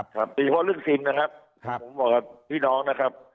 เพราะว่าเรื่องสินนะครับผมบอกพี่น้องนะครับ